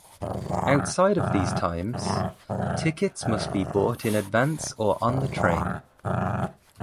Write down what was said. Outside of these times, tickets must be bought in advance or on the train.